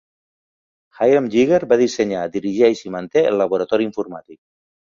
Hiram Yeager va dissenyar, dirigeix i manté el laboratori informàtic.